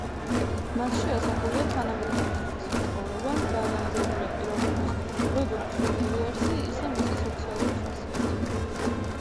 მასში ასახულია თანამედროვე ინგლისის ცხოვრება, გაანალიზებულია პიროვნების როგორც სულიერი არსი, ისე მისი სოციალური ხასიათი.